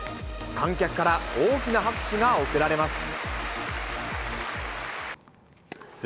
観客から大きな拍手が送られます。